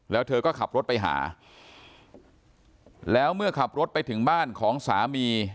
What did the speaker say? แล้วเธอก็ขับรถไปหาแล้วเมื่อขับรถไปถึงบ้านของสามี